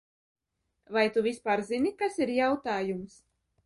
Vai tu vispār zini, kas ir jautājums?